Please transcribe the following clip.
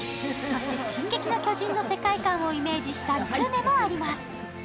そして「進撃の巨人」の世界観をイメージしたグルメもあります。